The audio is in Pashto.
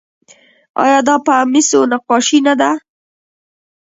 آیا دا په مسو نقاشي نه ده؟